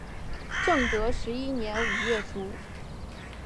正德十一年五月卒。